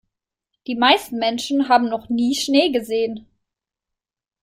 Die meisten Menschen haben noch nie Schnee gesehen.